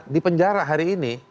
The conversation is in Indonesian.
di penjara hari ini